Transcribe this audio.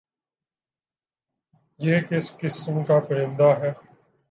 یہ کس قِسم کا پرندہ ہے؟